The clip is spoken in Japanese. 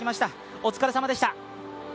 お疲れさまでした。